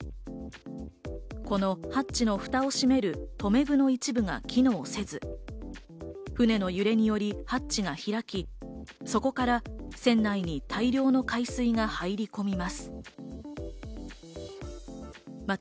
このハッチの蓋を閉める留め具の一部が機能せず、船の揺れによりハッチが開き、そこから船内に大量の海水が入り込みます。